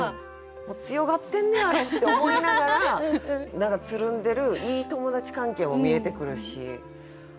強がってんねやろって思いながら何かつるんでるいい友達関係も見えてくるしねっ。